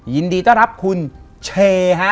ยินดีต้อนรับคุณเชฮะ